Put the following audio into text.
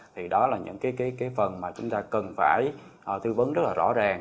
thì đó là những cái phần mà chúng ta cần phải tư vấn rất là rõ ràng